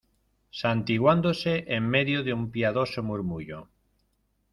santiguándose en medio de un piadoso murmullo.